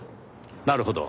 なるほど。